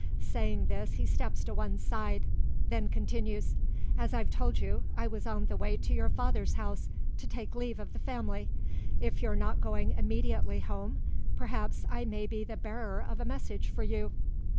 Saying this he steps to one side. Then continues, "As I've told you, I was on the way to your father's house to take leave of the family. If you're not going immediately home, perhaps I may be the bearer of a message for you?"